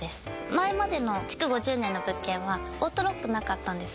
前までの築５０年の物件はオートロックなかったんです